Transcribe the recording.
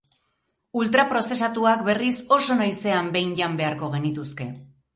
Ultraprozesatuak, berriz, oso noizean behin jan beharko genituzke.